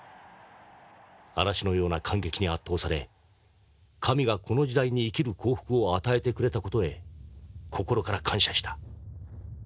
嵐のような感激に圧倒され神がこの時代に生きる幸福を与えてくれた事へ心から感謝した。